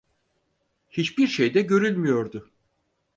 Hiçbir şey de görülmüyordu.